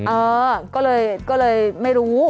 เออก็เลยไม่รู้